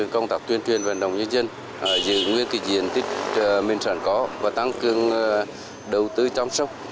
công tác tuyên truyền và nồng nhân dân giữ nguyên kỳ diện tích miền sản có và tăng cường đầu tư chăm sóc